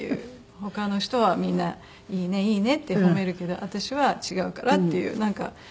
「他の人はみんないいねいいねって褒めるけど私は違うから」っていうなんか。